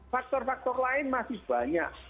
faktor faktor lain masih banyak